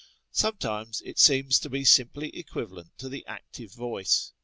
Sometimes it seems to be simply equivalent to the active voice.